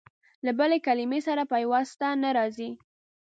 له بلې کلمې سره پيوسته نه راځي.